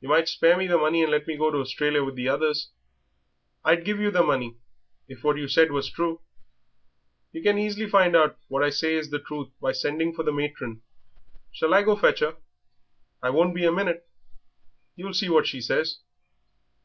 Yer might spare me the money and let me go to Australia with the others." "I'd give yer the money if what you said was true." "Yer can easily find out what I say is the truth by sending for the matron. Shall I go and fetch her? I won't be a minute; you'll see what she says."